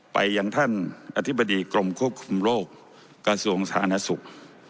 ไปยังท่านอธิบดีกรมควบคุมโรคกระทรวงสาธารณสุข